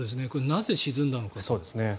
なぜ、沈んだのか。